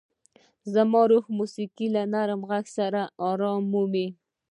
زما روح د موسیقۍ له نرم غږ سره ارام مومي.